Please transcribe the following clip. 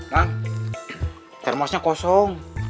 nah termosnya kosong